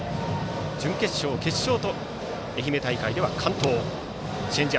準決勝、決勝と愛媛大会では完投。